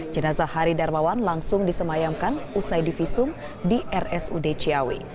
jenazah hari darmawan langsung disemayamkan usai divisum di rsud ciawi